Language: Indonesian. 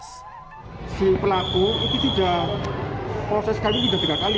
si pelaku itu tidak proses sekali tidak tiga kali